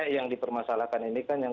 yang dipermasalahkan ini kan